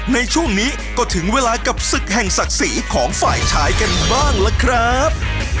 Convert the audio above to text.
ในช่วงนี้ก็ถึงเวลากับศึกแห่งศักดิ์ศรีของฝ่ายชายกันบ้างล่ะครับ